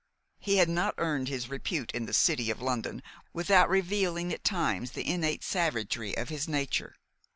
He had not earned his repute in the city of London without revealing at times the innate savagery of his nature.